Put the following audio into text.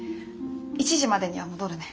１時までには戻るね。